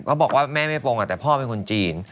บอกว่าแม่ไม่ปงแต่พ่อเป็นคนจีน